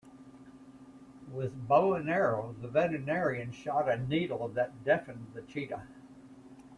With bow and arrow the veterinarian shot a needle that deafened the cheetah.